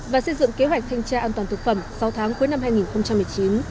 và xây dựng kế hoạch thanh tra an toàn thực phẩm sáu tháng cuối năm hai nghìn một mươi chín